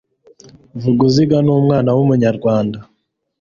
vuguziga ni umwana w'umunyarwanda